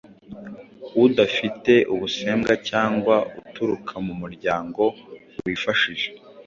udafite ubusembwa cyangwa uturuka mu muryango wifashije.